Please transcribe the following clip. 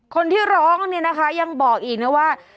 คนที่ร้องเนี่ยนะคะยังบอกอีกนะว่า